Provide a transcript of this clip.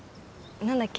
何だっけ？